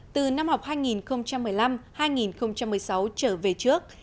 từ năm học hai nghìn một mươi năm hai nghìn một mươi sáu trở về trước